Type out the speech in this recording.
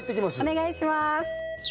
お願いします